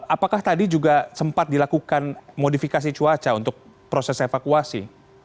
apakah tadi juga sempat dilakukan modifikasi cuaca untuk proses evakuasi